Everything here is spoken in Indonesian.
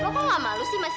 yonon masuk kelas